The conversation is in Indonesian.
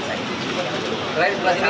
ada yang ngelih akan